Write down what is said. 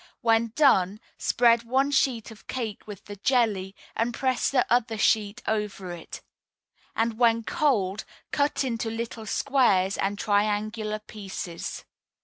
When done, spread one sheet of cake with the jelly, and press the other sheet over it; and when cold, cut into little squares and triangular pieces.